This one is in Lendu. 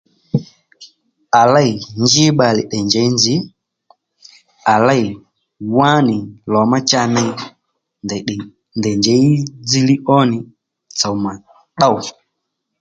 À lêy nji bbalè tdè njěy nzǐ à lêy wá nì lò má cha ney ndèy tdè ndèy njěy dziliy ó nì tsǒmà tdôw